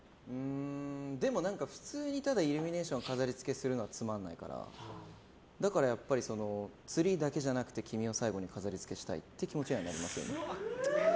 でも、普通にただイルミネーションを飾り付けするのはつまんないからだからやっぱりツリーだけじゃなくて君を最後に飾り付けしたいっていう気持ちにはなりますよね。